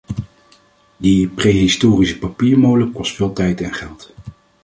Die prehistorische papiermolen kost veel tijd en geld.